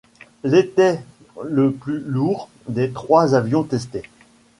L' était le plus lourd des trois avions testés.